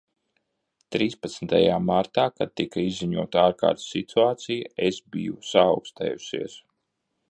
Trīspadsmitajā martā, kad tika izziņota ārkārtas situācija, es biju saaukstējusies.